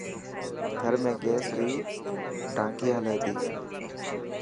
ٿر ۾ گيس ري ٽانڪي هلي ٿي.